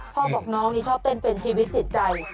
พ่อบอกน้องนี่ชอบเต้นเป็นชีวิตจิตใจ